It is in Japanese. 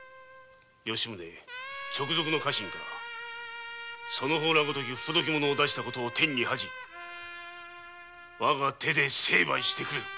吉宗直属の家臣からその方らのごとき不届き者を出した事を天に恥じ我が手で成敗してくれる！